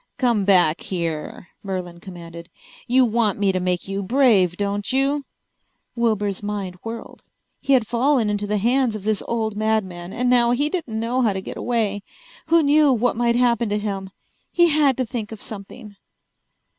"Come back here," Merlin commanded. "You want me to make you brave, don't you?" Wilbur's mind whirled. He had fallen into the hands of this old madman and now he didn't know how to get away. Who knew what might happen to him? He had to think of something.